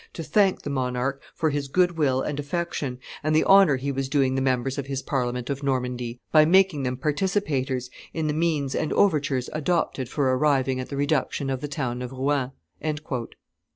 "to thank the monarch for his good will and affection, and the honor he was doing the members of his Parliament of Normandy, by making them participators in the means and overtures adopted for arriving at the reduction of the town of Rouen." [M.